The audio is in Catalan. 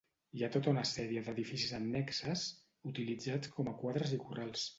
Hi ha tota una sèrie d'edificis annexes, utilitzats com a quadres i corrals.